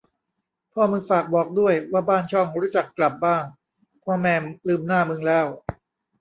พ่อมึงฝากบอกด้วย ว่าบ้านช่องรู้จักกลับบ้าง พ่อแม่ลืมหน้ามึงแล้ว